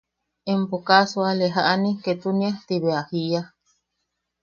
¿Empo kaa suale jaʼani ketunia ti bea jia?